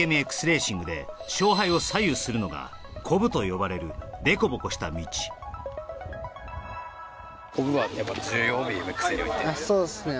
レーシングで勝敗を左右するのがコブと呼ばれるデコボコした道そうっすね